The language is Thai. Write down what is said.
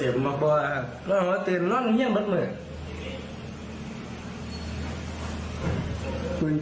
น้ำมันวิ่งไกด็ตกรีดอีกแล้วเนิบ